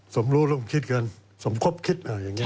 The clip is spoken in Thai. สมรู้ร่วมคิดกันสมครบคิด